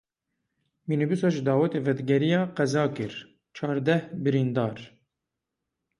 Mînîbusa ji dawetê vedigeriya qeza kir çardeh birîndar.